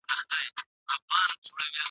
رسنۍ ټولنه بیداروي.